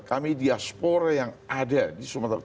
kami diaspora yang ada di sumatera